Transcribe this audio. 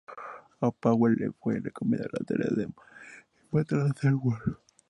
A Powell le fue encomendada la tarea de matar a Seward.